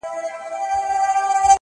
جارچي خوله وه سمه كړې و اعلان ته!!